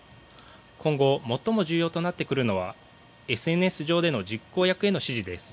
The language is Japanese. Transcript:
今後、最も重要となってくるのはＳＮＳ上での実行役への指示です。